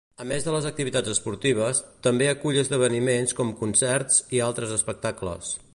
A més de les activitats esportives, també acull esdeveniments com concerts i altres espectacles.